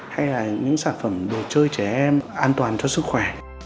hay là những sản phẩm đồ chơi trẻ em an toàn cho sức khỏe